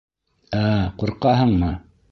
Ә-ә, ҡурҡаһыңмы?